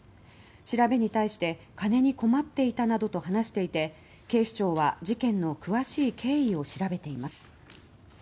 調べに対して金に困っていたなどと話していて警視庁は事件の詳しい経緯を調べています。